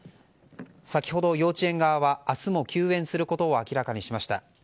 先ほど、幼稚園側は明日も休園することを明らかにしました。